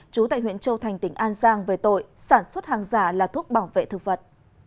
trú tại huyện châu thành tỉnh an giang về tội sản xuất hàng giả là thuốc bảo vệ thực vật